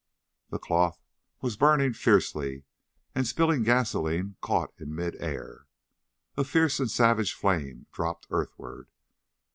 The cloth was burning fiercely, and spilled gasoline caught in mid air. A fierce and savage flame dropped earthward.